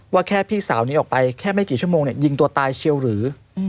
ว่าแค่พี่สาวนี้ออกไปแค่ไม่กี่ชั่วโมงยิงตัวตายเชียวหรือ